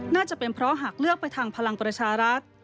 น่าจะเป็นเพราะหากเลือกไปทางพลังประชารัฐ